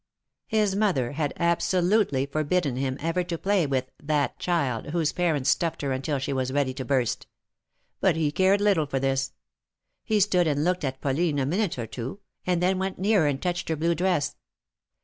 His mother had absolutely forbidden him ever to play with that child, whose parents stuffed her until she was ready to burst.'' But he cared little for this. He stood and looked at Pauline a minute or two, and then went nearer and touched her blue dress.